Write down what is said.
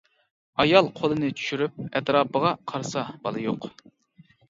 ئايال قولىنى چۈشۈرۈپ ئەتراپىغا قارىسا بالا يوق.